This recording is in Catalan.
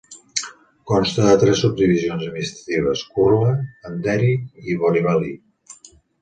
Consta de tres subdivisions administratives: Kurla, Andheri i Borivali.